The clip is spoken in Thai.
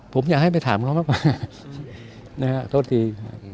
ผมอยากให้ไปถามเขามากกว่านะฮะโทษที